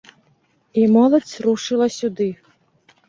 І моладзь рушыла сюды.